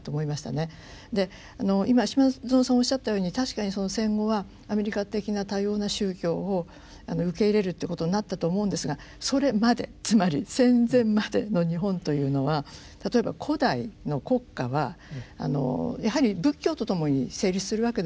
で今島薗さんおっしゃったように確かに戦後はアメリカ的な多様な宗教を受け入れるということになったと思うんですがそれまでつまり戦前までの日本というのは例えば古代の国家はやはり仏教とともに成立するわけですよ。